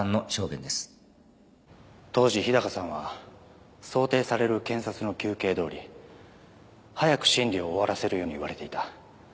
当時日高さんは想定される検察の求刑どおり早く審理を終わらせるように言われていた